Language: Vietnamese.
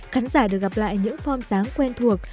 khán giả được gặp lại những form dáng quen thuộc